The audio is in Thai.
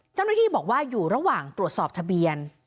เจ้าหน้าที่บอกว่าอยู่ระหว่างตรวจสอบทะเบียน